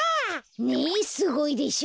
ねえすごいでしょ？